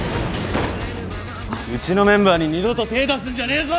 うちのメンバーに二度と手出すんじゃねえぞ！